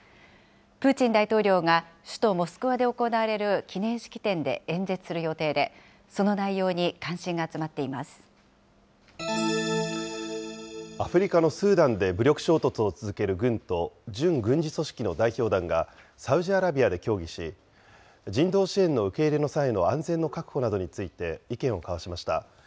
プーチン大統領が首都モスクワで行われる記念式典で演説する予定で、その内容に関心が集まっていアフリカのスーダンで武力衝突を続ける軍と、準軍事組織の代表団がサウジアラビアで協議し、人道支援の受け入れの際の安全の確保などについて意見を交わしました。